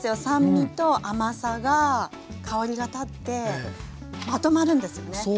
酸味と甘さが香りが立ってまとまるんですよね。